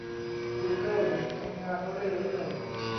กูเกิลหยุดทำงานเรื่อยเรื่อย